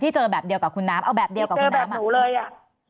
ที่เจอแบบเดียวกับคุณน้ำเอาแบบเดียวกับคุณน้ำที่เจอแบบหนูเลยอ่ะ